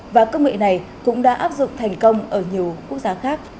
và công nghệ này cũng đã áp dụng thành công ở nhiều quốc gia khác